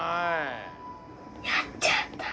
やっちゃった？